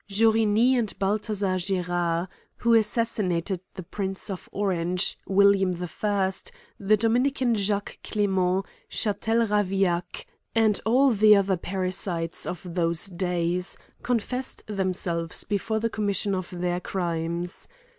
JAURTGNI and Balthazar Gerard, who assas sinated the prince of Orange, William I ; the dominican Jacques Clement; Chatel Ravaillac, and all the other parricides of those days, confessed themselves before the commission of their crimes.